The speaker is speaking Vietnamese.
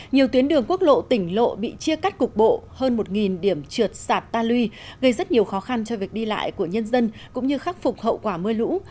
nhiều tuyến đường quốc lộ tỉnh lộ bị chia cắt cục bộ hơn một điểm trượt sạt ta luy gây rất nhiều khó khăn cho việc đi lại của nhân dân cũng như khắc phục hậu quả mưa lũ